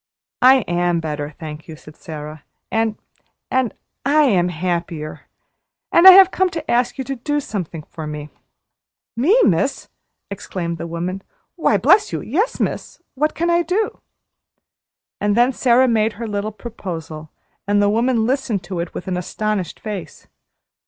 "I am better, thank you," said Sara, "and and I am happier, and I have come to ask you to do something for me." "Me, miss!" exclaimed the woman, "why, bless you, yes, miss! What can I do?" And then Sara made her little proposal, and the woman listened to it with an astonished face.